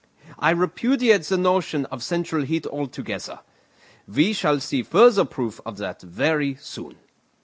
I repudiate the notion of central heat altogether. We shall see further proof of that very soon."